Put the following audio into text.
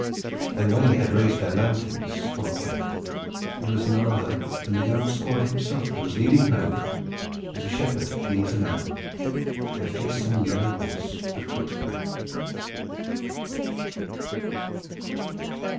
And when they had raised their lanterns on the pair it was none other than the young Squire himself who was leading home, as a shepherd leads a lamb, the fearsome yellow horse of Crooksbury.